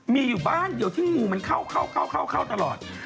มีอยู่บ้านเดียวที่งูมันเข้าเข้าตลอด